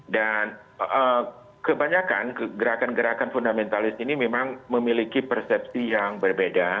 dan kebanyakan gerakan gerakan fundamentalis ini memang memiliki persepsi yang berbeda